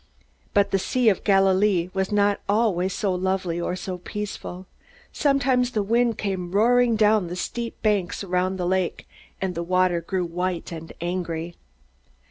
But the Sea of Galilee was not always so lovely or so peaceful. Sometimes the wind came roaring down the steep banks around the lake, and the water grew white and angry.